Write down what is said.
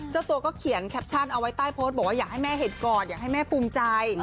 เจ้าตัวก็เขียนแคปชั่นเอาไว้ใต้โพสต์บอกว่าอยากให้แม่เห็นก่อนอยากให้แม่ภูมิใจ